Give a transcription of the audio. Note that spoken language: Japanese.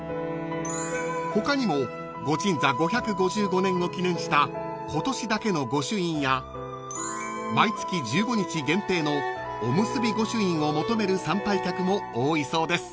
［他にも御鎮座５５５年を記念した今年だけの御朱印や毎月１５日限定のおむすび御朱印を求める参拝客も多いそうです］